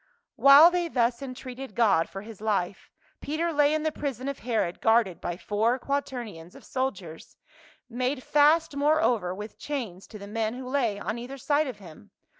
While they thus entreated God for his life, Peter lay in the prison of Herod guarded by four quaternions of soldiers, made fast moreover with chains to the men who lay on cither side of him.